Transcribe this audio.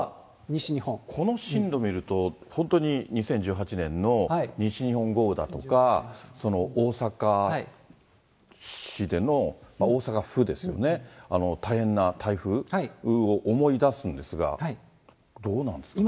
この進路見ると、本当に２０１８年の西日本豪雨だとか、大阪市での、大阪府ですよね、大変な台風を思い出すんですが、どうなんですか。